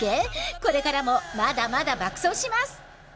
これからも、まだまだ爆走します。